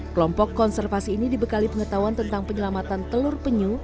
kelompok konservasi ini dibekali pengetahuan tentang penyelamatan telur penyu